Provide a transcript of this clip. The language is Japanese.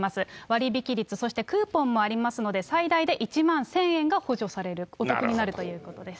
割引率、そしてクーポンもありますので、最大で１万１０００円が補助される、なるほど。